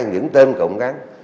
những tên cộng cán